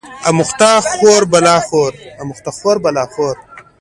اموخته خور بلا خور